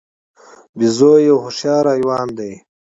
بیزو یو هوښیار حیوان دی.